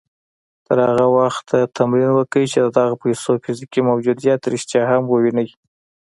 تر هغه وخته تمرين وکړئ چې د دغو پيسو فزيکي موجوديت رښتيا هم ووينئ.